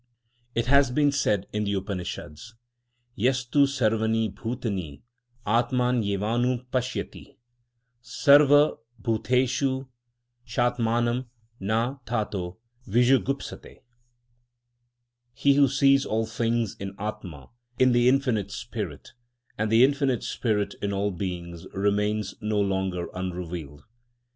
It has been said in the Upanishads: Yastu sarvâni bhutâni âtmânyevânupashyati Sarva bhuteshu châtmânam na tato vijugupsate. (He who sees all things in âtmâ, in the infinite spirit, and the infinite spirit in all beings, remains no longer unrevealed.)